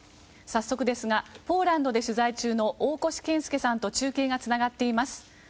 早速ですが、ポーランドで取材中の大越健介さんと中継がつながっています。